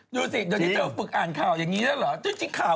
ดูสิเดี๋ยวนี้เธอฝึกอ่านข่าวอย่างนี้แล้วเหรอจริงข่าว